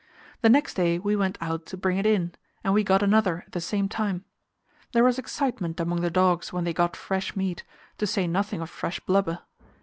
The next day we went out to bring it in, and we got another at the same time. There was excitement among the dogs when they got fresh meat, to say nothing of fresh blubber.